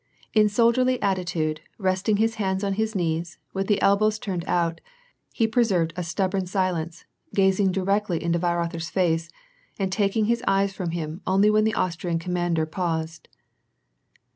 In soldierly attitude, resting his hands on his knees, with the elbows turned out, he preserved a stubborn silence, gazing directly into Wei rother's face, and taking his eyes from him only when the Aus trian commander paused.